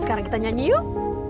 sekarang kita nyanyi yuk